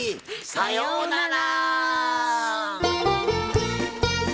さようなら！